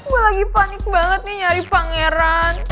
wah lagi panik banget nih nyari pangeran